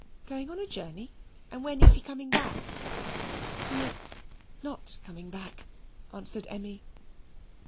"Going on a journey; and when is he coming back?" "He is not coming back," answered Emmy.